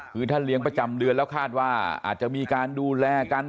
คือถ้าเลี้ยงประจำเดือนแล้วคาดว่าอาจจะมีการดูแลกัน